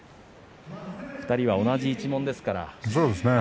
２人は同じ一門ですからそうですね。